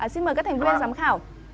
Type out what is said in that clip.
xin mời các thành viên giám khảo